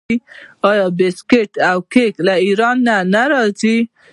آیا بسکیټ او کیک له ایران نه راځي؟